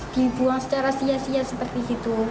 dibuang secara sia sia seperti itu